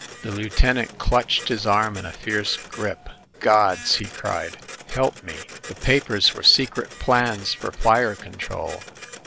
The lieutenant clutched his arm in a fierce grip. "Gods !" he cried. "Help me ! The papers were secret plans for fire control.